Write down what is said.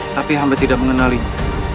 tapi hamba tidak mengenalinya